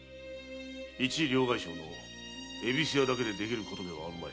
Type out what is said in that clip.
一両替商の恵比寿屋だけでできることではあるまい。